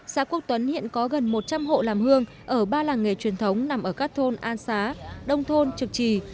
xã quốc tuấn hiện có gần một trăm linh hộ làm hương ở ba làng nghề truyền thống nằm ở các thôn an xá đông thôn trực trì